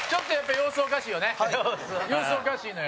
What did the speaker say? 様子おかしいのよ。